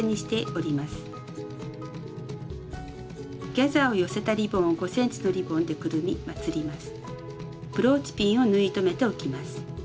ギャザーを寄せたリボンを５ｃｍのリボンでくるみまつります。